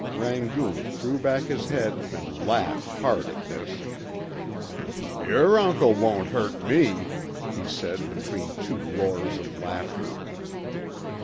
Rangoon threw back his head and laughed hard at this. "Yer uncle won't hurt me," he said between two roars of laughter.